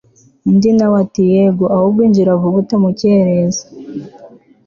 undi nawe ati yego ahubwo injira vuba utamukereza